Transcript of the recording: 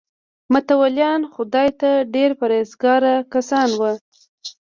متولیان خدای ته ډېر پرهیزګاره کسان وو.